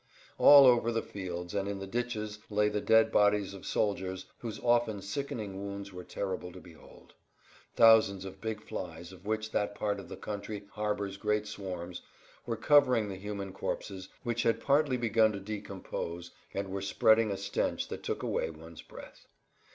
All over the fields and in the ditches lay the dead bodies of soldiers whose often sickening wounds were terrible to behold. Thousands of big flies, of which that part of the country harbors great swarms, were covering the human corpses which had partly begun to decompose and were spreading a stench that took away one's breath.